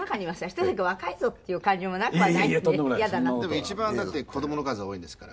でも一番だって子供の数は多いんですから。